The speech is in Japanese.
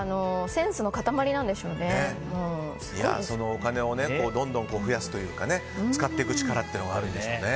お金をどんどん増やすというか使っていく力っていうのがあるんでしょうね。